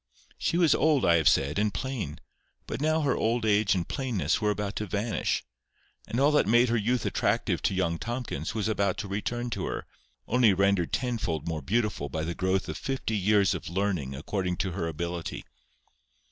She was old, I have said, and plain; but now her old age and plainness were about to vanish, and all that had made her youth attractive to young Tomkins was about to return to her, only rendered tenfold more beautiful by the growth of fifty years of learning according to her ability.